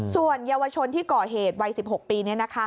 ส่วนเยาวชนที่ก่อเหตุวัย๑๖ปี